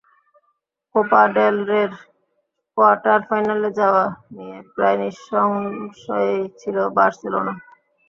Copa del রের quarter ফাইনালে যাওয়া নিয়ে প্রায় নিঃসংশয়ই ছিল বার্সেলোনা।